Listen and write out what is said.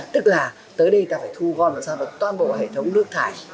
tức là tới đây ta phải thu gom ra toàn bộ hệ thống nước thải